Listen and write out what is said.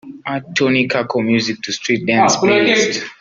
Add Tony Kakko music to Street Dance playlist